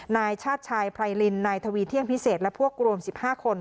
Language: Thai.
นายชาติชายไพรินนายทวีเที่ยงพิเศษและพวกรวม๑๕คน